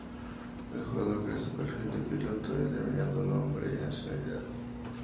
El jugador crea su perfil de piloto, determinando nombre y nacionalidad.